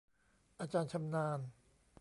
อาจารย์ชำนาญ